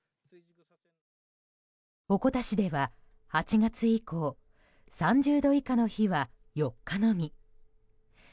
鉾田市では８月以降３０度以下の日は４日のみ。